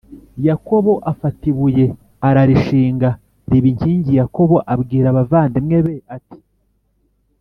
Yakobo afata ibuye ararishinga riba inkingi Yakobo abwira abavandimwe be ati